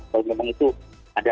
kalau memang itu ada